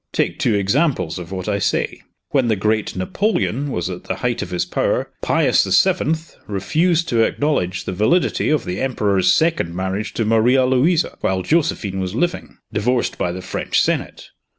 Take two examples of what I say. When the great Napoleon was at the height of his power, Pius the Seventh refused to acknowledge the validity of the Emperor's second marriage to Maria Louisa while Josephine was living, divorced by the French Senate.